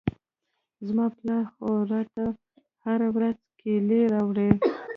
زما پلار خو راته هره ورځ کېلې راوړي.